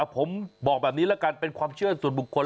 ผมบอกแบบนี้ละกันเป็นความเชื่อส่วนบุคคล